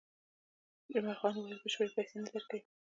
جمعه خان وویل، بشپړې پیسې نه درکوي.